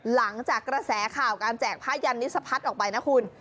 หลังจากกระแสข่าวการแจกผ้ายันนี้สะพัดออกไปนะคุณ